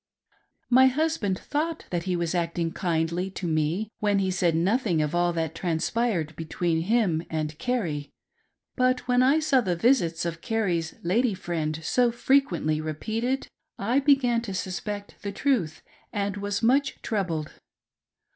My husband thought that he was acting kindly to me when he said nothing of all that transpired between him and Carrie; but when I saw the visits of Carrie's lady friend so frequently repeated, I began to suspect the truth and was much troubled.